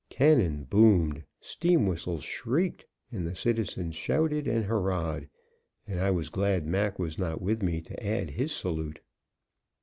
Cannon boomed, steam whistles shrieked, and the citizens shouted and hurrahed, and I was glad Mac was not with me to add his salute.